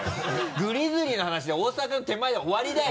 グリズリーの話大阪の手前で終わりだよ。